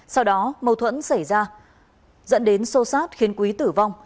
sau đó mâu thuẫn xảy ra dẫn đến sâu sát khiến quý tử vong